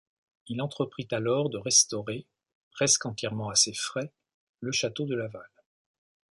Il entreprit alors de restaurer, presque entièrement à ses frais, le château de Laval.